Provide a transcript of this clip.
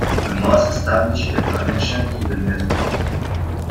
We must establish a connection to the network.